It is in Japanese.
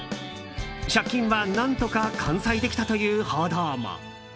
借金は何とか完済できたという報道も。